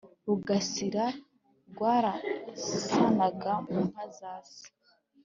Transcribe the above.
rugasira rwarasanaga mu nka za se